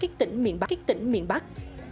các tỉnh miền bắc